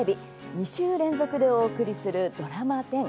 ２週連続でお送りするドラマ１０